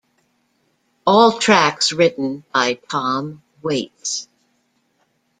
All tracks written by Tom Waits.